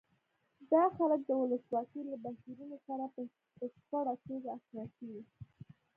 دا خلک د ولسواکۍ له بهیرونو سره په بشپړه توګه اشنا شوي.